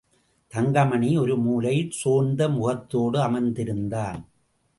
தங்கமணி ஒரு மூலையில் சோர்ந்த முகத்தோடு அமர்ந்திருந்தான்.